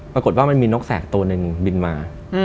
ปรากฏว่ามันนกแสกโตนึงบินมา